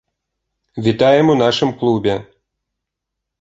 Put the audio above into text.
Вітаем у нашым клубе!